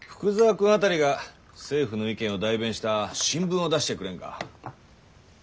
君辺りが政府の意見を代弁した新聞を出してくれんか。